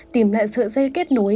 tìm lại sợi dây kết nối